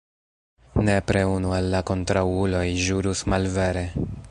Nepre unu el la kontraŭuloj ĵurus malvere.